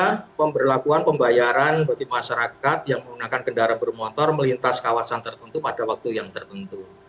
karena pemberlakuan pembayaran bagi masyarakat yang menggunakan kendaraan bermotor melintas kawasan tertentu pada waktu yang tertentu